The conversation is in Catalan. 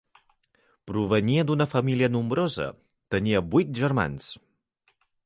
Provenia d'una família nombrosa, tenia vuit germans.